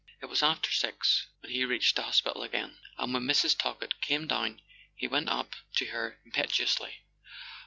It was after six when he reached the hospital again; and when Mrs. Talkett came down he went up to her impetuously.